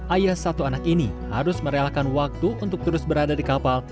ayah satu anak ini harus merelakan waktu untuk terus berada di kapal